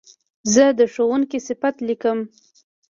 زه د ښوونکي صفت لیکم.